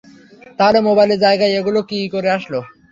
তাহলে মোবাইলের জায়গায় এইগুলা কী করে আসলো?